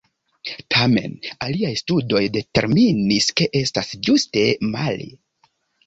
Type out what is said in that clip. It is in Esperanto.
Tamen, aliaj studoj determinis ke estas ĝuste male.